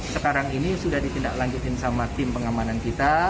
sekarang ini sudah ditindak lanjutin sama tim pengamanan kita